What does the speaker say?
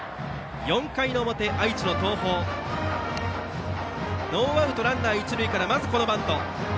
４回表、愛知の東邦ノーアウトランナー、一塁からまず、このバント。